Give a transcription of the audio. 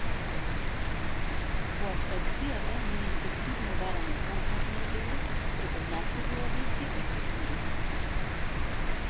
Во апстракцијата, ние инстинктивно бараме познати модели, препознатливи облици и фигури.